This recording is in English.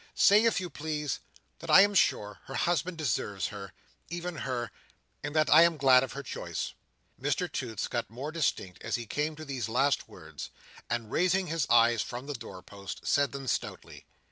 Say, if you please, that I am sure her husband deserves her—even her!—and that I am glad of her choice." Mr Toots got more distinct as he came to these last words, and raising his eyes from the doorpost, said them stoutly.